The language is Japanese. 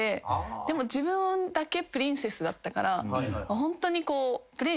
でも自分だけプリンセスだったからホントにこう。